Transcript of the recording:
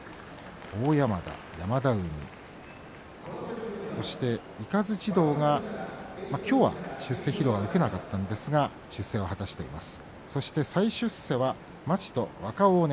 欧山田、山田海そして雷道はきょうは出世披露を受けなかったんですけれど出世を果たしています。